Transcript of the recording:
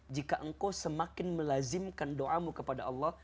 jika engkau semakin melazimkan doamu kepada allah